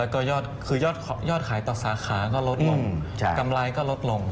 ก็คือยอดขายต่อสาขาก็ลดลงกำไรก็ลดลง